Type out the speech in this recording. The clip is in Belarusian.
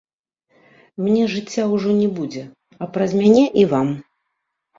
Мне жыцця ўжо не будзе, а праз мяне і вам.